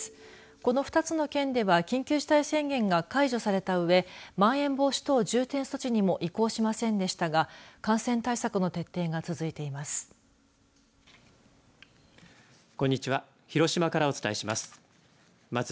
この２つの県では緊急事態宣言が解除されたうえまん延防止等重点措置にも移行しませんでしたが感染対策の徹底が続いています。